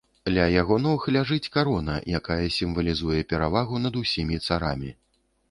Ля яго ног ляжыць карона, якая сімвалізуе перавагу над усімі царамі.